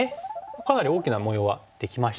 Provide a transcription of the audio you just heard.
かなり大きな模様はできました。